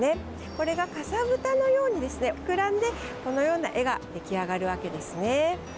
これがかさぶたのように膨らんでこのような絵が出来上がるわけですね。